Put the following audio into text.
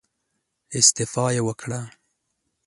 استعفا يې وکړه.